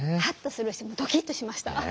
ハッとするしドキッとしました。